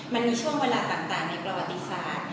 มันมีช่วงเวลาต่างในประวัติศาสตร์